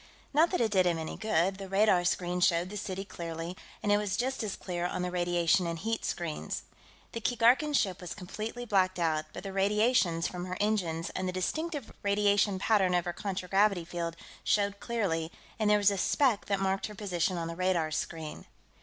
Not that it did him any good; the radar screen showed the city clearly, and it was just as clear on the radiation and heat screens. The Keegarkan ship was completely blacked out, but the radiations from her engines and the distinctive radiation pattern of her contragravity field showed clearly, and there was a speck that marked her position on the radar screen.